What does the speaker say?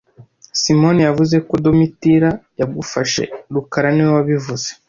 Simoni yavuze ko Domitira yagufashe rukara niwe wabivuze